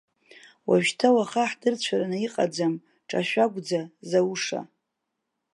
Уажәшьҭа уаха ҳдырцәараны иҟаӡам, ҿашәагәӡа зауша!